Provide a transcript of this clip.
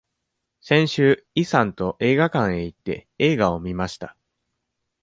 先週、イさんと映画館へ行って、映画を見ました。